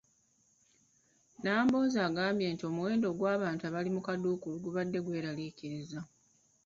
Nambooze agambye nti omuwendo gw'abantu abali mu kaduukulu gubadde gweraliikiriza.